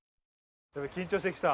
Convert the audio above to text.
バい緊張してきた。